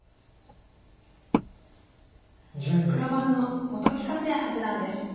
黒番の本木克弥八段です。